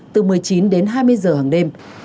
từ một mươi chín h đến hai mươi h hàng đêm